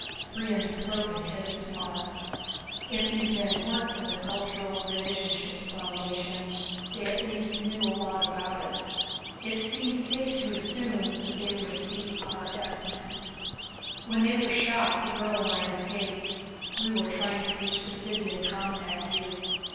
Brion's probe had hit its mark. If these men weren't from the Cultural Relationships Foundation they at least knew a lot about it. It seemed safe to assume they were C.R.F. men. "When they were shot the girl and I escaped. We were trying to reach the city and contact you.